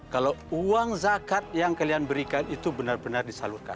kalau uang zakat yang kalian berikan itu benar benar disalurkan